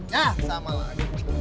yah sama lagi